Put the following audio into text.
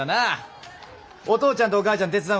お父ちゃんとお母ちゃん手伝うんか？